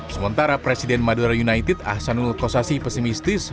sementara presiden madura united ahsanul kossasi pesimistis